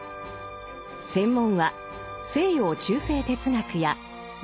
専門は西洋中世哲学や倫理学。